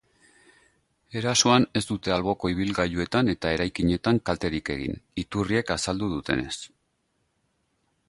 Erasoan ez dute alboko ibilgailuetan eta eraikinetan kalterik egin, iturriek azaldu dutenez.